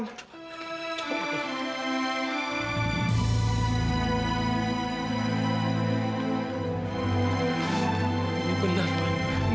ini benar man